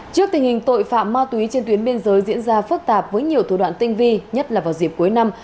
trước tình hình tội phạm ma túy trên tuyến biên giới diễn ra phức tạp với nhiều thủ đoạn tinh vi nhất là vào dịp cuối năm